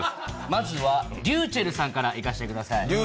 まずはｒｙｕｃｈｅｌｌさんからいかせてください。